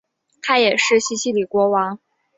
他也是西西里国王。